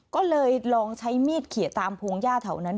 ก็เลยลองใช้มีดเขียนตามพวงย่าเท่านั้น